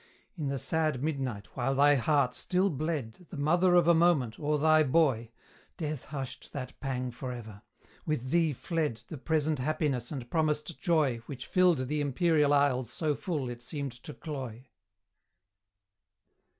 In the sad midnight, while thy heart still bled, The mother of a moment, o'er thy boy, Death hushed that pang for ever: with thee fled The present happiness and promised joy Which filled the imperial isles so full it seemed to cloy.